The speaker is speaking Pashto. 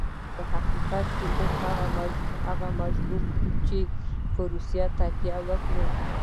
په حقیقت کې موږ هغه مجبور کړ چې پر روسیې تکیه وکړي.